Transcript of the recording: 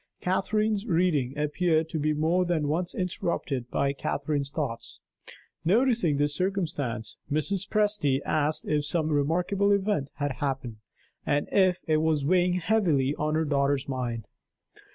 Catherine's reading appeared to be more than once interrupted by Catherine's thoughts. Noticing this circumstance, Mrs. Presty asked if some remarkable event had happened, and if it was weighing heavily on her daughter's mind.